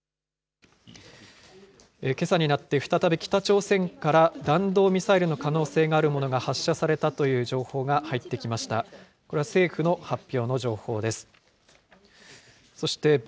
けさになって再び北朝鮮から弾道ミサイルの可能性があるものが発射されたという情報が入ってきました。